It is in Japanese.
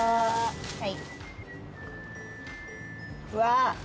はい。